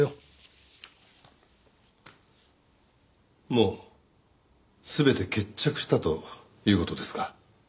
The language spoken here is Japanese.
もう全て決着したという事ですか？